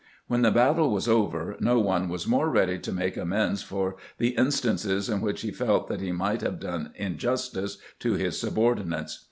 When the battle was over no one was more ready to make amends for the instances in which he felt that he might have done injustice to his subordinates.